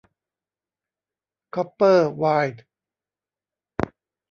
คอปเปอร์ ไวร์ด